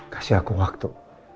kasih aku waktu